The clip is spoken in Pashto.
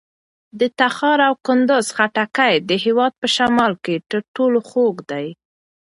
د تخار او کندوز خټکي د هېواد په شمال کې تر ټولو خوږ دي.